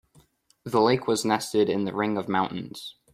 The lake was nestled in the ring of mountains.